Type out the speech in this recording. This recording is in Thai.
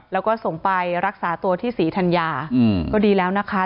แล้วก็ส่งไปรักษาตัวที่ศรีธัญญาก็ดีแล้วนะคะ